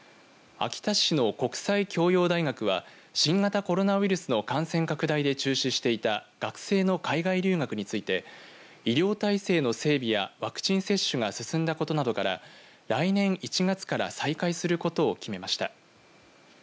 秋田市の国際教養大学は新型コロナウイルスの感染拡大で中止していた学生の海外留学について医療体制の整備やワクチン接種が進んだことなどから来年１月から再開することを決めました。